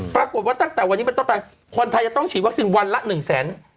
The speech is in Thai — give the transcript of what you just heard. ปรากฏว่าตั้งแต่วันนี้เป็นต้นไปคนไทยจะต้องฉีดวัคซีนวันละ๑แสน